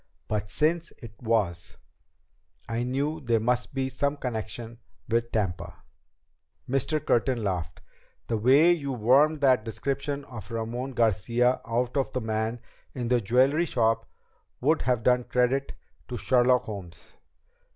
But since it was, I knew there must be some connection with Tampa." Mr. Curtin laughed. "The way you wormed that description of Ramon Garcia out of the man in the jewelry shop would have done credit to Sherlock Holmes."